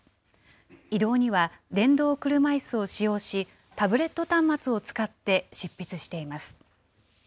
移動には電動車いすを使用し、タブレット端末を使って執筆しています。